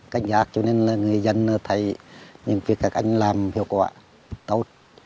cách nhạc cho nên là người dân thấy những việc các anh làm hiệu quả tốt